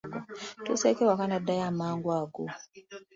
Atuuseeko awaka n’addayo amangu ago.